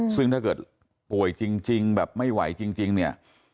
ซึ่งถ้าเกิดป่วยจริงแบบไม่ไหวจริงเนี่ย